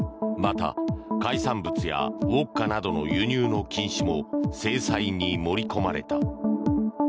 また、海産物やウォッカなどの輸入の禁止も制裁に盛り込まれた。